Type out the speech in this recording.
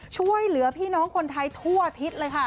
ช่วยเหลือพี่น้องคนไทยทั่วอาทิตย์เลยค่ะ